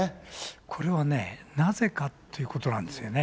これはね、なぜかということなんですよね。